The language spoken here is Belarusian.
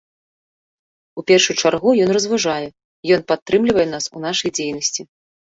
У першую чаргу ён разважае, ён падтрымлівае нас у нашай дзейнасці.